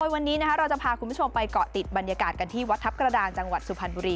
วันนี้เราจะพาคุณผู้ชมไปเกาะติดบรรยากาศกันที่วัดทัพกระดานจังหวัดสุพรรณบุรี